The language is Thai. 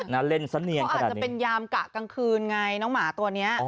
น่าเล่นเส้นเนียนกระดาษนี้เขาอาจจะเป็นยามกะกลางคืนไงน้องหมาตัวเนี้ย